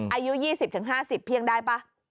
อายุ๒๐๕๐เพียงได้ป่ะ